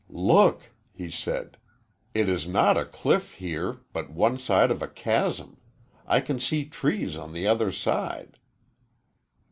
"Look," he said, "it is not a cliff, here, but one side of a chasm. I can see trees on the other side."